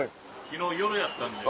昨日夜やったんで。